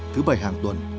thứ bảy hàng tuần